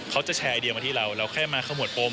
เขาจะแชร์ไอเดียมาที่เราเราแค่มาขมวดโปม